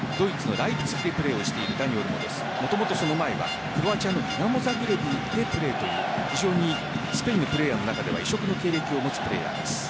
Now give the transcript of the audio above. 今はドイツのライプツィヒでもともとクロアチアのディナモザグレブでプレーという非常にスペインのプレーヤーの中では異色の経歴を持つプレーヤーです。